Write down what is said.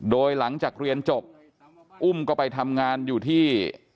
โดยหลังจากเรียนจบอุ้มก็ไปทำงานอยู่ที่